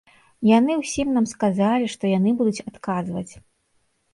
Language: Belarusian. Яны ўсім нам сказалі, што яны будуць адказваць.